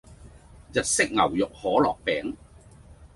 日式牛肉可樂餅